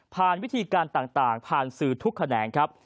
วิธีการต่างผ่านสื่อทุกแขนงครับ